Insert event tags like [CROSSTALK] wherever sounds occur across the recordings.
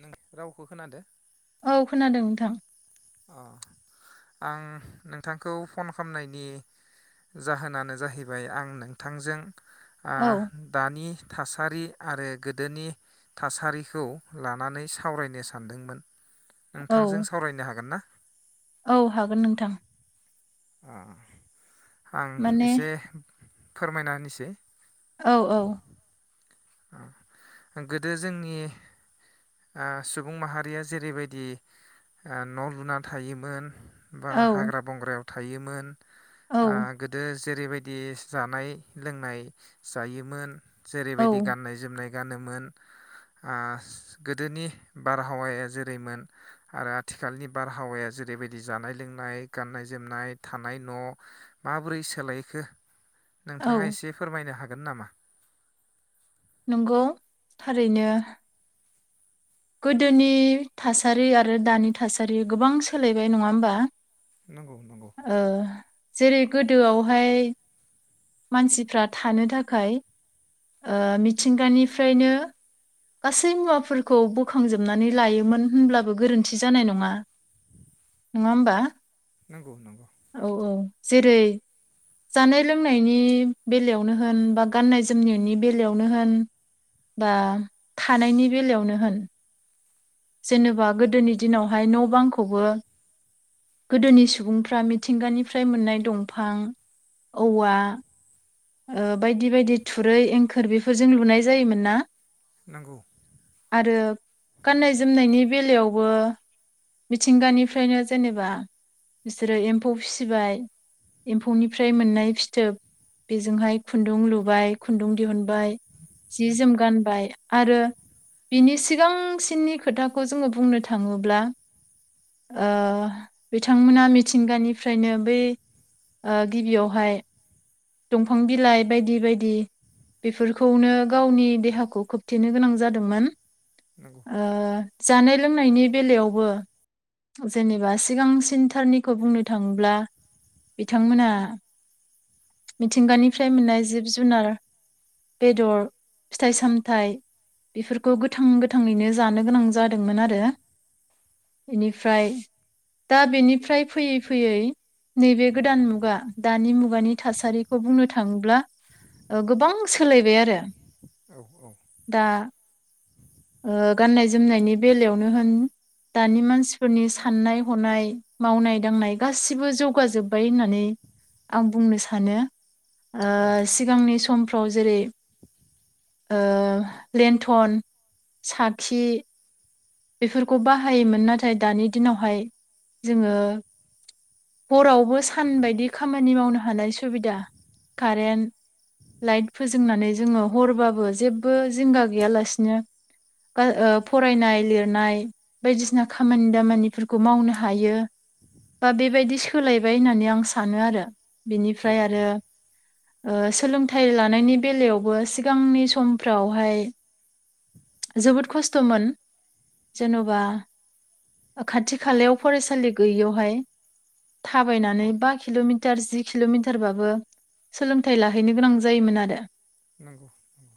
नों रावखौ खोनादो? औ खोनादों नोंथां। अ आं नोंथांखौ फन खालामनायनि जाहोनानो जाहैबाय आं नोंथांजों आ औ दानि थासारि आरो गोदोनि थासारिखौ लानानै सावरायनो सानदोंमोन। नोंथांजों औ सावरायनो हा हागोन ना? औ हागोन नोंथां। [INAUDIBLE] आं माने एसे फोरमायना होनिसै। औ औ। गोदो जोंनि ओ सुबुं माहारिया जेरैबायदि आ न' लुना थायोमोन बा औ हाग्रा बंग्रायाव थायोमोन। आ औ गोदो जेरैबायदि जानाय लोंनाय जायोमोन औ जेरैबायदि गाननाय जोमनाय गानोमोन आ गोदोनि बारहावाया जेरैमोन आरो आथिखालनि बारहावाया जेरैबायदि जानाय लोंनाय गाननाय जोमनाय थानाय न' माबोरै सोलायखो नोंथाङा औ एसे फोरमायनो हाग गोन नामा नंगौ थारैनो गोदोनि थासारि आरो दानि थासारि गोबां सोलायबाय नङा होमबा नंगौ नंगौ ओ जेरै गोदोआवहाय मानसिफ्रा थानो थाखाय ओ मिथिंगानिफ्रायनो गासै मुवाफोरखौ बोखांजोबनानै लायोमोन होनब्लाबो गोरोन्थि जानाय नङा नङा होमबा नंगौ नंगौ औ औ जेरै जानाय लोंनायनि बेलायावनो होन बा गाननाय जोमनायनि बेलायावनो होन बा थानायनि बेलायावनो होन जेनेबा गोदोनि दिनावहाय न' बांखौबो गोदोनि सुबुंफ्रा मिथिंगानिफ्राय मोननाय दंफां औवा ओ बायदि बायदि थुरै एंखोर बेफोरजों लुनाय जायोमोन ना नोंगौ आरो गाननाय जोमनायनि बेलायावबो मिथिंगानिफ्रायनो जेनेबा बिसोरो एम्फौ फिसिबाय एम्फौनिफ्राय मोननाय फिथोब बेजोंहाय खुन्दुं लुबाय खुन्दुं दिहुनबाय जि जोम गानबाय आरो बिनि सिगांसिननि खोथाखौ जोङो बुंनो थाङोब्ला ओ बिथांमोना मिथिंगानिफ्रायनो बै ओ गिबियावहाय दंफां बिलाइ बायदि बायदि बेफोरखौनो गावनि देहाखौ खोबथेनो गोनां जादोंमोन। नंगौ ओ जानाय लोंनायनि बेलायावबो जेनेबा सिगां सिन थारनिखौ बुंनो थाङोब्ला बिथांमोना मिथिंगानिफ्राय मोननाय जिब जुनार बेदर फिथाइ सामथाइ बेफोरखौ गोथां गोथाङैनो जानो गोनां जादोंमोन आरो बेनिफ्राय दा बेनिफ्राय फैयै फैयै नैबे गोदान मुगा दानि मुगानि थासारिखौ बुंनो थाङोब्ला गोबां सोलायबाय आरो औ औ दा ओ गाननाय जोमनायनि बेलायावनो होन दानि मानसिफोरनि साननाय हनाय मावनाय दांनाय गासिबो जौगाजोब्बाय होननानै आं बुंनो सानो। ओ सिगांनि सम फाव जेरै ओ लेन्थन साखि बेफोरखौ बाहायोमोन नाथाय दानि दिनावहाय जोङो हरावबो सान बायदि खामानि मावनो हानाय सुबिदा कारेन्ट लाइट फोजोंनानै जोङो हरबाबो जेबबो जिंगा गैयालासिनो [UNINTELLIGIBLE] फरायनाय लिर रनाय बायदिसिना खामानि दामानिफोरखौ मावनो हायो बा बेबायदि सोलायबाय होननानै आं सानो आरो औ बेनिफ्राय औ आरो सोलोंथाइ लानायनि बेलायावबो सिगांनि समफ्रावहाय जोबोद खस्थ'मोन। जेन'बा खाथि खालायाव फरायसालि गैयियावहाय थाबायनानै बा किल'मिटार जि किल'मिटारबाबो सोलोंथाइ लाहैनो गोनां जायोमोन आरो नंगौ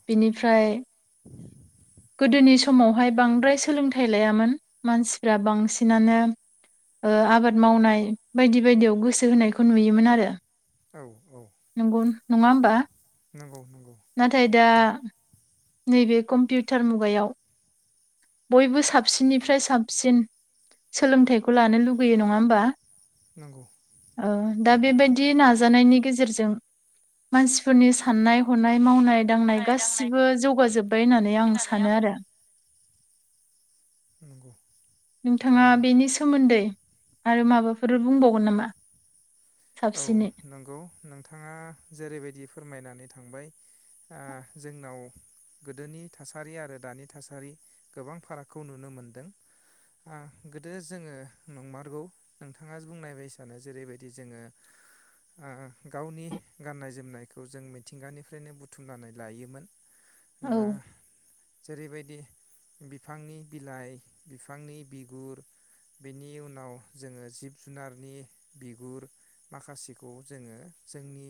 बिनिफ्राय गोदोनि समावहाय बांद्राय सोलों थाइ लायामोन मानसिफ्रा बांसिनानो आबाद मावनाय बायदि बायदियाव गोसो होनायखौ नुयोमोन आरो औ औ नंगौ नङा होमबा नंगौ नंगौ नाथाय दा नैबे कम्पिउटार मुगायाव बयबो साबसिननिफ्राय साबसिन सोलोंथाइखौ लानो लुुगैयो नङा होमबा नंगौ ओ दा बेबायदि नाजानायनि गेजेरजों मानसिफोरनि साननाय हनाय मावनाय दांनाय गासिबो जौगाजोब्बाय होननानै आं सानो आरो नंगौ नोंथाङा थारैनो बेनि सोमोन्दै आरो माबाफोर बुंबावगोन नामा औ साबसिनै नंगौ नोंथाङा जेरैबायदि फोरमायनानै थांबाय जोंनाव गोदोनि थासारि आरो दानि थासारि गोबां फारागखौ नुनो मोनदों ओ गोदो जोङो नंमारगौ नोंथाङा बुंनायबायाय सानो जेरैबायदि जोङो ओ गावनि गाननाय जोमनायखौ जों मिथिंगानिफ्रायनो बुथुमनानै लायोमोन ओ औ जेरैबायदि बिफांनि बिलाइ बिफांनि बिगुर बेनि उनाव जोङो जिब जुनारनि बिगुर माखासेखौ जोङो जोंनि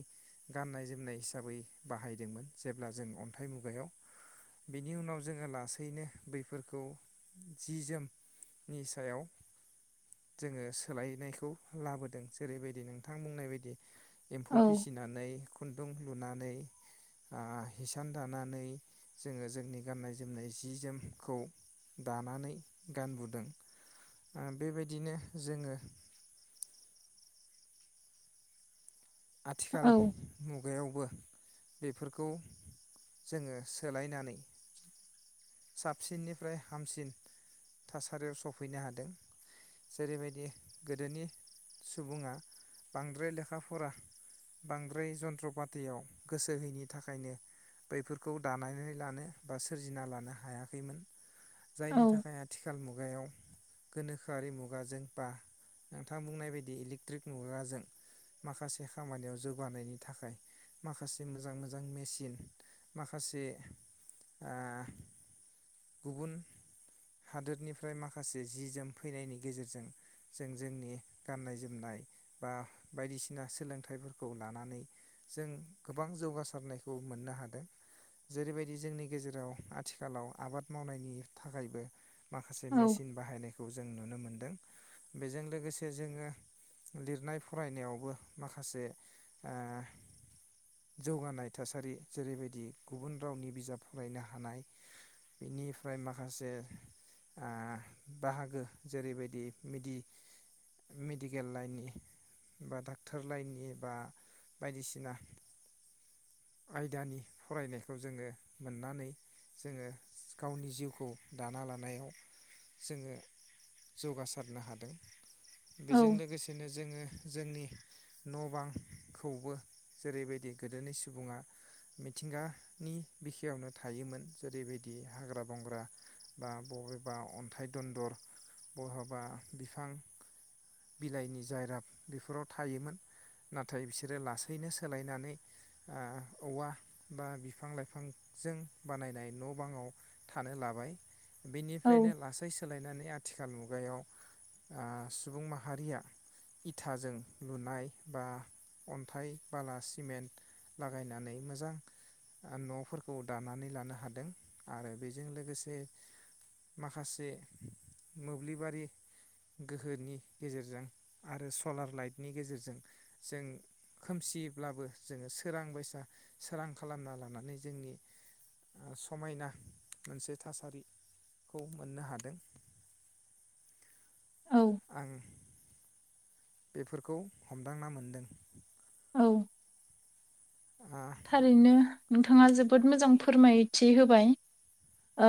गाननाय जोमनाय हिसाबै बाहायदोंमोन जेब्ला जों अन्थाइ मुगायाव बेनि उनाव जोङो लासैनो बैफोरखौ जि जोमनि सायाव जोङो सोलायनायखौ लाबोदों जेरैबायदि नोंथां बुंनाय बायदि एम्फौ औ फिसिनानै खुन्दुं लुनानै ओ हिसान दानानै जोङो जोंनि गाननाय जोमनाय जि जोमखौ दानानै गानबोदों ओ बेबायदिनो जोङो आथिखाल औ मुग मुगायावबो बेफोरखौ जोङो सोलायनानै साबसिननिफ्राय हामसिन थासारियाव सफैनो हादों जेरैबायदि गोदोनि सुबुङा बांद्राय लेखा फरा बांद्राय जन्त्र फाथियाव गोसो होयिनि थाखायनो बैफोरखौ दानानै लानो बा सोरजिना लानो हायाखैमोन जायनि औ थाखाय आथिखाल मुग मुगायाव गोनोखोआरि मुगाजों बा नोंथां बुंनाय बायदि इलेकट्रिक मुगाजों माखासे खामानियाव जौगानायनि थाखाय माखासे मोजां मोजां मेसिन माखासे ओ गुबुन हादोरनिफ्राय माखासे जि जोम फैनायनि गेजेरजों जों जोंनि गाननाय जोमनाय बा बायदिसिना सोलों थाइफोरखौ लानानै जों गोबां जौगासारनायखौ मोननो हादों जेरैबायदि जोंनि गेजेराव आथिखालाव आबाद मावनायनि थाखायबो माखासे औ मेसिन बाहायनाय खौ जों नुनो मोनदों बेजों लोगोसे जोङो लिरनाय फरायनायावबो माखा माखासे ओ जौगानाय थासारि जेरैबायदि गुबुन रावनि बिजाब फरायनो हानाय बेनिफ्राय माखासे ओ बाहागो जेरैबायदि मेदि-मेडिकेल लाइननि बा डाक्ट फोरलायनि बा बायदिसिना आयदानि फरायनायखौ जोङो मोननानै जोङो गावनि जिउखौ दाना लानायाव जोङो जौगासारनो हादों बेजों औ लोगोसेनो जोङो जोंनि न' बांखौबो जेरैबायदि गोदोनि सु बुङा मिथिंगानि बिखायावनो थायोमोन जेरैबायदि हाग्रा बंग्रा बा बबेबा अन्थाइ दन्दर बहाबा बिफां बिलाइनि जायरा बेफोराव थायोमोन नाथाय बिसोरो लासैनो सोलायनानै ओ औवा बा बिफां लाइफांजों बानायनाय न' बाङाव थानो लाबाय औ बेनिफ्रायनो लासै सोलायनानै थिखाल मुगायाव सुबुं माहारिया इथाजों लुनाय बा अन्थाइ बाला सिमेन्ट लागायनानै मोजां न'फोरखौ दानानै लानो हादों आरो बेजों लोगोसे माखासे मोब्लिबारि गोहोनि गेजेरजों आरो सलार लाइटनि गेजेरजों जों खोमसियब्लाबो जोङो सोरां बायसा सोरां खालामना लानानै जोंनि समायना मोनसे थासारिखौ मोननो हादों औ आं बेफोरखौ हमदांना मोनदों औ थारैनो नोंथाङा जोबोद मोजां फोरमायथि होबाय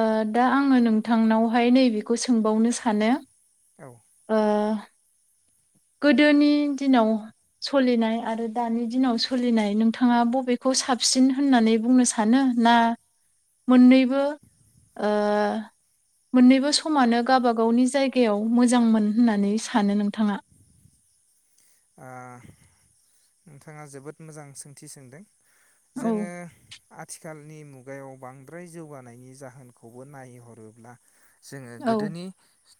ओ दा आङो नोंथांनावहाय नैबेखौ सोंबावनो सानो औ ओ गोदोनि दिनाव सोलिनाय आरो दानि दिनाव सोलिनाय नोंथाङा बबेखौ साबसिन होननानै बुंनो सानो ना मोननैबो ओ मोननैबो समानो गबाागावनि जायगायाव मोजांमोन होननानै सानो नोंथाङा ओ नोंथाङा जोबोद मोजां सोंथि सोंदों जोङो औ आथिखालनि मुगायाव बांद्राय जौगानायनि जाहोनखौबो नायहरोब्ला जोङो औ गोदोनि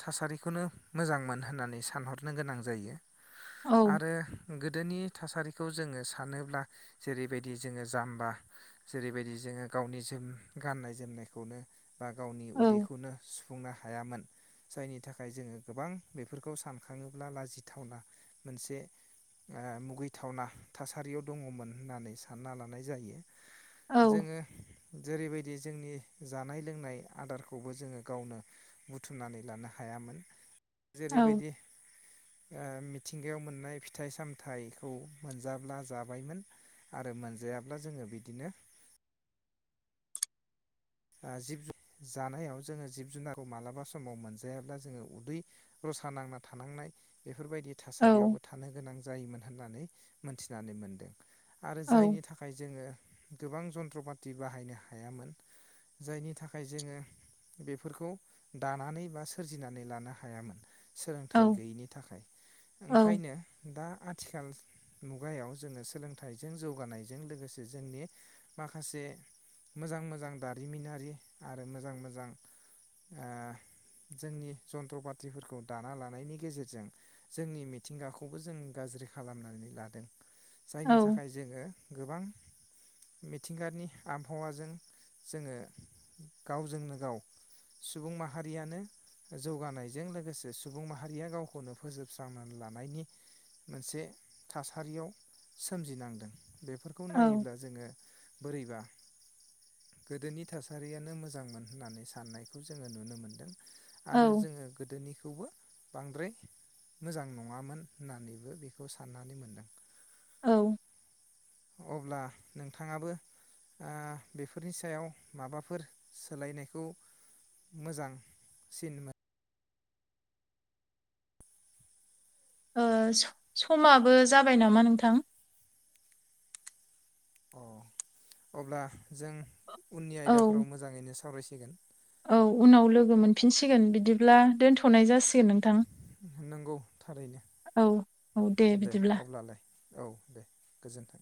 थासारिखौनो मोजांमोन होननानै सानहरनो गोनां जायो औ आरो गोदोनि थासारिखौ जोङो सानोब्ला जेरैबायदि जोङो जाम्बा जेरैबायदि जोङो गावनि जोम गाननाय जोमनायखौनो बा गावनि औ उदैखौनो फुंनो हायामोन जायनि थाखाय जोङो गोबां बेफोरखौ सानखाङोब्ला लाजिथावना मोनसे ओ मुगैथावना थासारियाव दङमोन होननानै सानना लानाय जायो औ जोङो जेरैबायदि जोंनि जानाय लोंनाय आदारखौबो जोङो गावनो बुथुमनानै लानो हायामोन औ जेरैबायदि ओ मिथ थिंगायाव मोननाय फिथाइ सामथायाइखौ मोनजाब्ला जाबायमोन आरो मोनजायाब्ला जोङो बिदिनो ओ जिब जानायाव जोङो जिब जुनारखौ मालाबा समाव मोनजायाब्ला जोङो उदै रसा नांना थानांनाय बे बेफोरबायदि औ थासारियावबो थानो गोनां जायोमोन होननानै मोनथिनानै मोनदों आरो औ जायनि थाखाय जोङो गोबां जन्त्र पाति बाहायनो हायामोन जायनि थाखाय जोङो बेफोरखौ दानानै बा सोरजिनानै लानो हायामोन औ सोलोंथाइ गैयैनि थाखाय औ ओंखायनो दा आथिखाल मुगायाव जोङो सोलोंथाइजों जौगानायजों लोगोसे जोंनि माखासे मोजां मोजां दा जारिमिनारि आरो मोजां मोजां ओ जोंनि जन्थ्र पाथिफोरखौ दाना लानायनि गेजेरजों जोंनि मिथिंगाखौबो जों गाज्रि खालामनानै लादों औ जायनि थाखाय जोङो गोबां मिथिंगानि आबहावाजों जोङो गावजोंनो गाव सुबुं माहारियानो जौगानायजों लोगोसे सुबुं माहारिया गावखौनो फोजोबस्रांना लानायनि मोनसे थासारियाव सोमजिनांदों बेफोरखौ औ नायोब्ला जोङो बोरैबा गोदोनि थासारियानो मोजांमोन होननानै साननायखौ जोङो नुनो मोन्दों आरो औ जोङो गोदोनि बे खौबो बांद्राय मोजां नङामोन होननानैबो बेखौ साननानै मोनदों औ अब्ला नोंथाङाबो ओ बेफोरनि सायाव माबाफोर सोलायनायखौ मोजांसिन मोन ओ स-समाबो जाबाय नामा नोंथां? अ अब्ला जों उननि औ आयदाफोराव मोजाङैनो सावरायसि फैगोन औ उनाव लोगो मोनफिनसिगोन बिदिब्ला दोनथ'नाय जासिगोन नोंथां। नोंगौ थारैनो। औ औ दे बिदिब्ला औ दे गोजोन्थों।